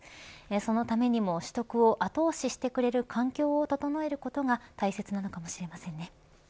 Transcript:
そのためにも、取得を後押ししてくれる環境を整えることが大切なのかもしれませんね。